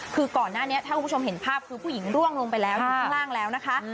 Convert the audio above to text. คือก่อนหน้านี้ถ้าคุณผู้ชมเห็นภาพคือผู้หญิงร่วงลงไปแล้วอยู่ข้างล่างแล้วนะคะ